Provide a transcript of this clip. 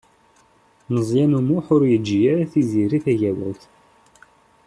Meẓyan U Muḥ ur yeǧǧi ara Tiziri Tagawawt.